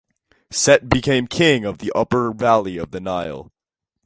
Set became king of the upper valley of the Nile.